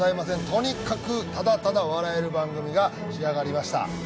とにかく、ただただ笑える番組が仕上がりました。